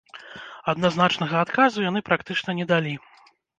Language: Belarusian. Адназначнага адказу яны практычна не далі.